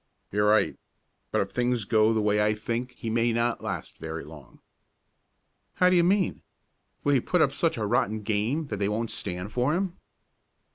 "You're right. But if things go the way I think he may not last very long." "How do you mean? Will he put up such a rotten game that they won't stand for him?"